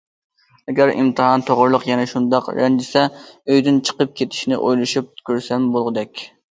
ئەگەر ئىمتىھان توغرىلىق يەنە شۇنداق رەنجىسە، ئۆيدىن چىقىپ كېتىشنى ئويلىشىپ كۆرسەم بولغۇدەك.